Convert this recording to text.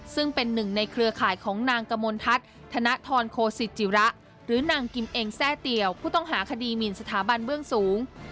ซึ่งเป็นหนึ่งในเครือข่ายของนางกมลทัศน์ธนทรโคสิจิระหรือนางกิมเองแทร่เตียวผู้ต้องหาคดีหมินสถาบันเบื้องสูง